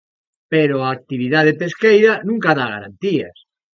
Pero a actividade pesqueira nunca dá garantías.